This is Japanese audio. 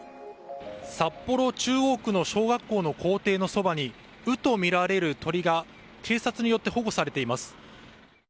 札幌市中央区の小学校の校庭のそばに鵜とみられる鳥が警察によって保護されています。